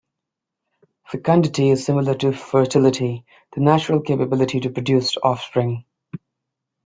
Fecundity is similar to fertility, the natural capability to produce offspring.